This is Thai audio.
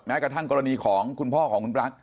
กระทั่งกรณีของคุณพ่อของคุณปลั๊ก